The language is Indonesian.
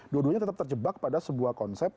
dua duanya tetap terjebak pada sebuah konsep